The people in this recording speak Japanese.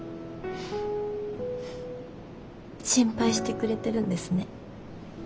心配してくれてるんですね。